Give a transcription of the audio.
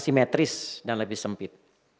simetris dan lebih sempit